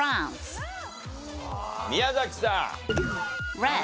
宮崎さん。